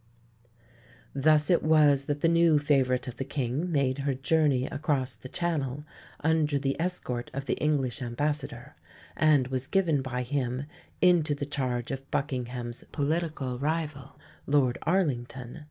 Thus it was that the new favourite of the King made her journey across the Channel under the escort of the English Ambassador, and was given by him into the charge of Buckingham's political rival, Lord Arlington.